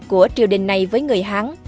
của triều đình này với người hán